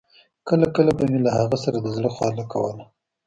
کله کله به مې له هغه سره د زړه خواله کوله.